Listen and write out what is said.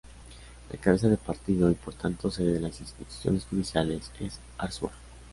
La cabeza de partido y por tanto sede de las instituciones judiciales es Arzúa.